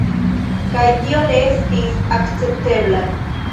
Kaj tio ne estis akceptebla.